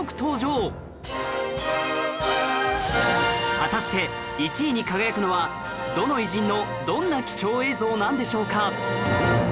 果たして１位に輝くのはどの偉人のどんな貴重映像なんでしょうか？